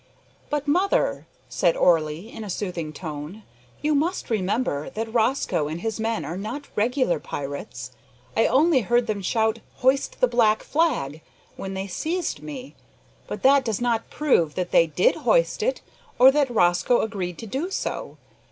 "But mother," said Orley, in a soothing tone, "you must remember that Rosco and his men are not regular pirates. I only heard them shout `Hoist the black flag!' when they seized me; but that does not prove that they did hoist it, or that Rosco agreed to do so.